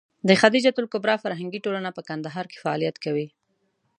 د خدېجه الکبرا فرهنګي ټولنه په کندهار کې فعالیت کوي.